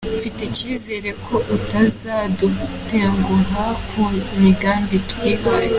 Mfite icyizere ko utazadutenguha ku migambi twihaye.